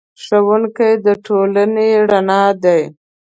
ښوونکی د ټولنې رڼا دی.